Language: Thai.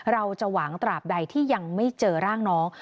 เราจะหวังตราบใดที่ยังไม่เจอร่างน้อง